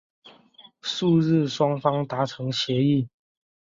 翌日双方达成协议。